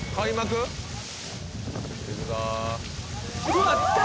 うわっきた！